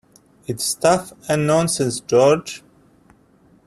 It's stuff and nonsense, George.